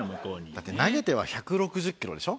だって投げては１６０キロでしょ。